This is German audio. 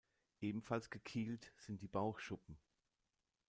Ebenfalls gekielt sind die Bauchschuppen.